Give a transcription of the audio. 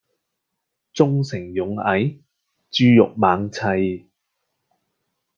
忠誠勇毅豬肉猛砌